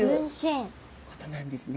ことなんですね。